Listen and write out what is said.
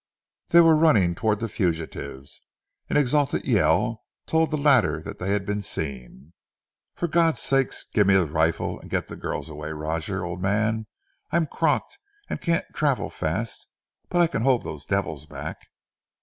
They were running towards the fugitives. An exultant yell told the latter that they had been seen. "For God's sake, give me the rifle, and get the girls away, Roger, old man. I'm crocked, and can't travel fast, but I can hold those devils back."